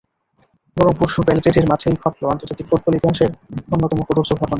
বরং পরশু বেলগ্রেডের মাঠেই ঘটল আন্তর্জাতিক ফুটবল ইতিহাসের অন্যতম কদর্য ঘটনা।